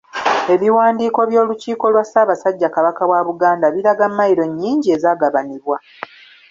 Ebiwandiiko by'Olukiiko lwa Ssaabasajja Kabaka wa Buganda biraga mailo nnyingi ezaagabanibwa.